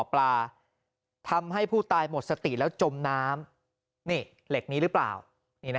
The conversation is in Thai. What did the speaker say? ปลาทำให้ผู้ตายหมดสติแล้วจมน้ำนี่เหล็กนี้หรือเปล่า